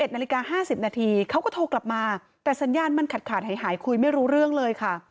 ๑นาฬิกา๕๐นาทีเขาก็โทรกลับมาแต่สัญญาณมันขาดหายคุยไม่รู้เรื่องเลยค่ะ